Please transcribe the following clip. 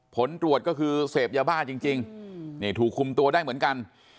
ผลตรวจก็คือเสพยาบ้าจริงนี่ถูกคุมตัวได้เหมือนกัน